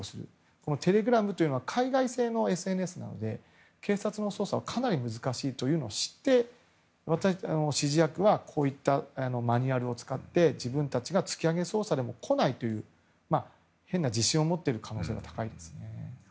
このテレグラムというのは海外製のＳＮＳなので警察の捜査はかなり難しいというのを知って指示役はこういったマニュアルを使って自分たちが突き上げ捜査でも来ないという変な自信を持っている可能性が高いと思います。